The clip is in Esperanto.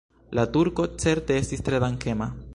La turko certe estis tre dankema.